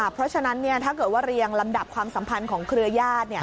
เพราะฉะนั้นถ้าเกิดว่าเรียงลำดับความสัมพันธ์ของเครือญาติ